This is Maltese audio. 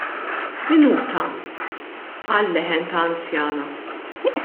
" Minuta, " qal leħen ta' anzjana.